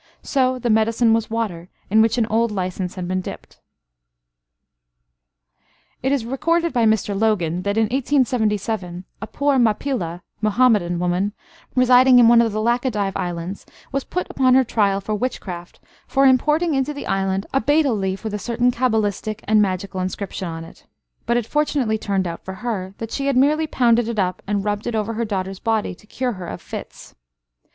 So the medicine was water, in which an old license had been dipped. It is recorded by Mr Logan that "in 1877, a poor Mappilla (Muhammadan) woman residing in one of the Laccadive islands was put upon her trial for witchcraft for importing into the island a betel leaf with a certain cabalistic and magical inscription on it; but it fortunately turned out for her that she had merely pounded it up, and rubbed it over her daughter's body to cure her of fits.